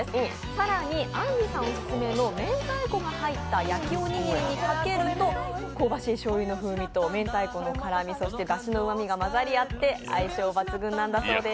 更にあんりさんオススメのめんたいこが入った焼きおにぎりにかけると、香ばしいしょうゆの風味とめんたいこのうまみ、そしてだしも混ざり合って相性抜群なんだそうです。